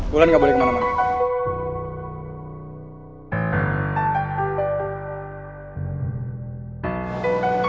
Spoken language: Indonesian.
bulan gak boleh kemana mana